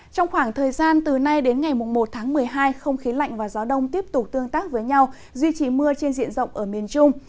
trong khoảng thời gian từ nay đến ngày một tháng một mươi hai không khí lạnh và gió đông tiếp tục tương tác với nhau duy trì mưa trên diện rộng ở miền trung